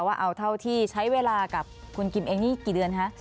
ว่าเอาเท่าที่ใช้เวลากับคุณกิมเองนี่กี่เดือนคะ